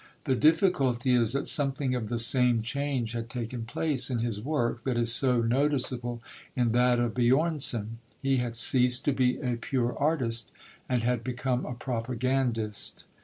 The difficulty is that something of the same change had taken place in his work that is so noticeable in that of Björnson; he had ceased to be a pure artist and had become a propagandist.